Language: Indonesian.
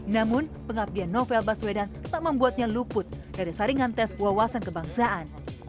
namun pengabdian novel baswedan tak membuatnya luput dari saringan tes wawasan kebangsaan